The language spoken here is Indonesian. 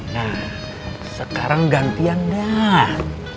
nah sekarang gantian dah